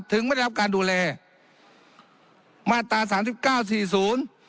ไม่ได้รับการดูแลมาตราสามสิบเก้าสี่ศูนย์